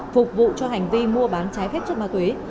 phục vụ cho hành vi mua bán trái phép chất ma túy